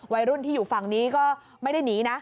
วัยรุ่นที่อยู่ฝั่งนี้ก็ไม่ได้หนีนะ